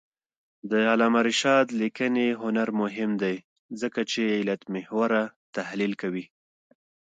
د علامه رشاد لیکنی هنر مهم دی ځکه چې علتمحوره تحلیل کوي.